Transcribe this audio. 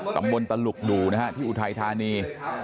ตำบลตลุกดูนะฮะที่อุทัยธานี